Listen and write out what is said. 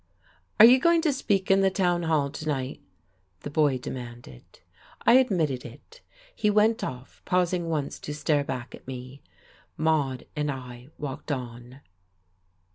"Are you going to speak in the tows hall to night?" the boy demanded. I admitted it. He went off, pausing once to stare back at me.... Maude and I walked on.